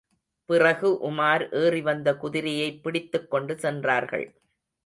பிறகு உமார் ஏறிவந்த குதிரையைப் பிடித்துக் கொண்டு சென்றார்கள்.